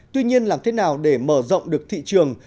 tuy nhiên làm thế nào để mở rộng được thị trường